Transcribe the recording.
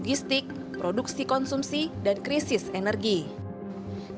kenaikan ini akibat pandemi yang menyebabkan libur